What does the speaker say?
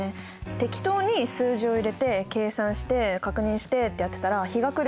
適当に数字を入れて計算して確認してってやってたら日が暮れちゃうよね。